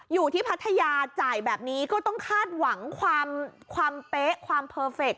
พัทยาจ่ายแบบนี้ก็ต้องคาดหวังความเป๊ะความเพอร์เฟคต